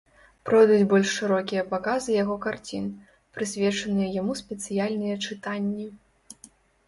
Пройдуць больш шырокія паказы яго карцін, прысвечаныя яму спецыяльныя чытанні.